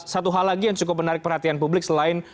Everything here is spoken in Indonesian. satu hal lagi yang cukup menarik perhatian publik selain